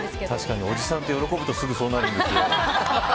確かにおじさんって喜ぶとすぐそうなるんですよ。